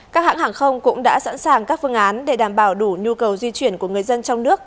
các hãng hàng không cũng đã sẵn sàng các phương án để đảm bảo đủ nhu cầu di chuyển của người dân trong nước